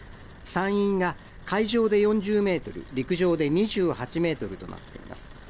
山陰が海上で４０メートル、陸上で２８メートルとなっています。